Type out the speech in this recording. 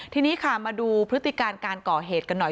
ทีนี้ค่ะมาดูพฤติการการก่อเหตุกันหน่อย